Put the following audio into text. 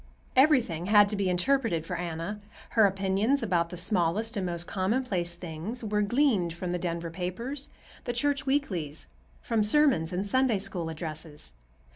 Everything had to be interpreted for Anna. Her opinions about the smallest and most commonplace things were gleaned from the Denver papers, the church weeklies, from sermons and Sunday School addresses.